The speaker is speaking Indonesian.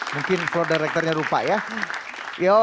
mungkin floor directornya lupa ya